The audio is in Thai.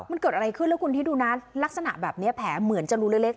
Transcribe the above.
มันเกิดอะไรขึ้นแล้วคุณคิดดูนะลักษณะแบบนี้แผลเหมือนจะรูเล็ก